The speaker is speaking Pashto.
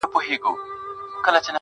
نه احتیاج یمه د علم نه محتاج د هنر یمه -